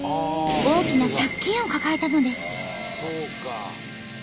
大きな借金を抱えたのです。